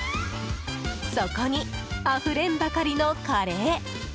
そこにあふれんばかりのカレー。